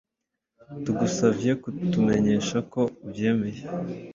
Tugusavye kutumenyesha ko uvyemeye.